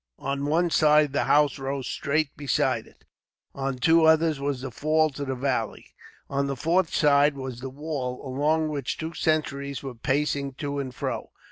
On one side the house rose straight beside it. On two others was the fall to the valley, on the fourth side was the wall, along which two sentries were pacing to and fro.